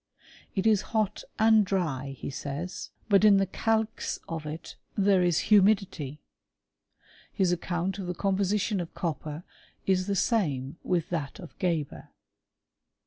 It is hot and dry, he says^ 198 atftTORY OF CHEHISTRT^ but in the calx of it there is humidity. His account of the composition of copper is the same with that of Geber.